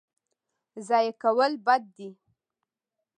ضایع کول بد دی.